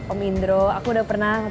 om indro aku udah pernah